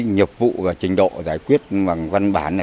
nghiệp vụ và trình độ giải quyết bằng văn bản